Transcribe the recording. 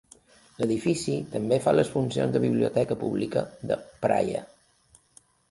L'edifici també fa les funcions de biblioteca pública de Praia.